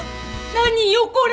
何よこれ。